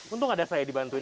untung ada saya dibantuin